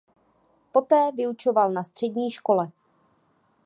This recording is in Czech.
Poté vyučoval na střední škole.